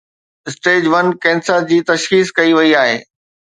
Stage one cancer جي تشخيص ڪئي وئي آهي.